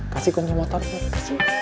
kasih kunjung motor kak